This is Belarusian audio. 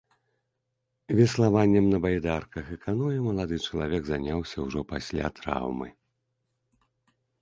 Веславаннем на байдарках і каноэ малады чалавек заняўся ўжо пасля траўмы.